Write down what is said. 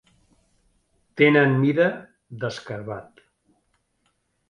Tenen mida d'escarabat.